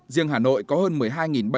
riêng hà nội có hơn một mươi hai bệnh